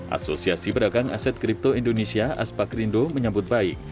asosiasi pedagang aset kripto indonesia aspak rindo menyambut baik